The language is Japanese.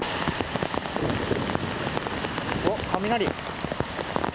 おっ、雷。